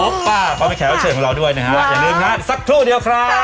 อ๊อปเป้าเพราะมีข้าวเฉินของเราด้วยนะฮะอย่าลืมครับสักครู่เดียวครับ